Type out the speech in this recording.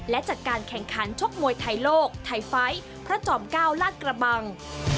และจัดการแข่งขันชกมวยไทยโลกไทยไฟท์พระจอม๙ลาดกระบัง